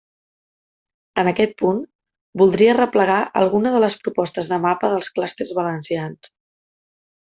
En aquest punt, voldria arreplegar alguna de les propostes de mapa dels clústers valencians.